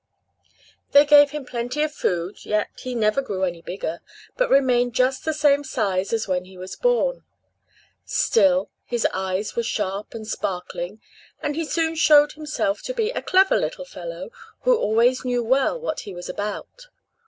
They gave him plenty of food, yet he never grew bigger, but remained just the same size as when he was born; still, his eyes were sharp and sparkling and he soon showed himself to be a clever little fellow, who always knew well what he was about.